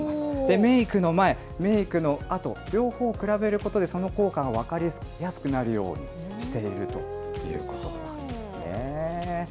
メークの前、メークのあと、両方比べることで、その効果が分かりやすくなるようにしているということなんですね。